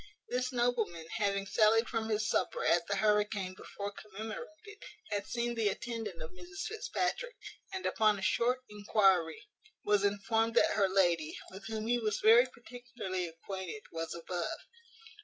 This nobleman, having sallied from his supper at the hurricane before commemorated, had seen the attendant of Mrs Fitzpatrick, and upon a short enquiry, was informed that her lady, with whom he was very particularly acquainted, was above.